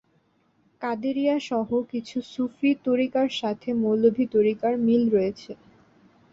কাদেরিয়া সহ কিছু সুফি তরিকার সাথে মৌলভি তরিকার মিল রয়েছে।